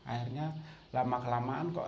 akhirnya lama kelamaan kok